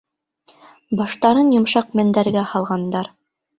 Баштарын йомшаҡ мендәргә һалғандар.